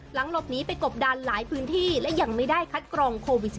หลบหนีไปกบดันหลายพื้นที่และยังไม่ได้คัดกรองโควิด๑๙